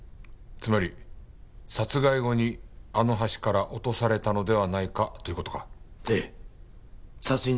つまり殺害後にあの橋から落とされたのではないかという事か。